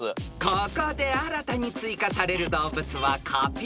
［ここで新たに追加される動物は］